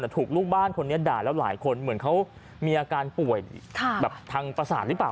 แต่ถูกลูกบ้านคนนี้ด่าแล้วหลายคนเหมือนเขามีอาการป่วยแบบทางประสาทหรือเปล่า